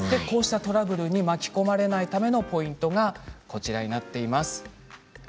こうしたトラブルに巻き込まれないためのポイントがこちらです。